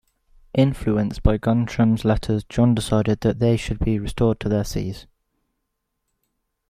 Influenced by Guntram's letters, John decided that they should be restored to their sees.